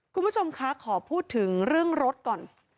คุณผู้ชมคะขอพูดถึงเรื่องรถก่อน